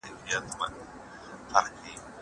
زه به سبا سندري اورم وم!!